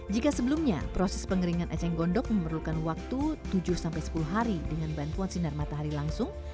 jika sebelumnya proses pengeringan eceng gondok memerlukan waktu tujuh sepuluh hari dengan bantuan sinar matahari langsung